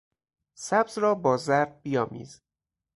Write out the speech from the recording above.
سبز را با زرد بیامیز